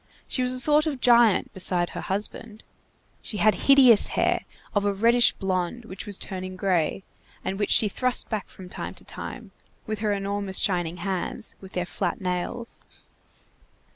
She was a sort of giant, beside her husband. She had hideous hair, of a reddish blond which was turning gray, and which she thrust back from time to time, with her enormous shining hands, with their flat nails.